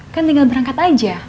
kan tinggal berangkat aja